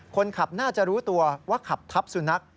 คนขับน่าจะรู้ตัวว่าขับทับสุนัข